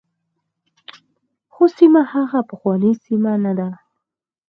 خو سیمه هغه پخوانۍ سیمه نه ده.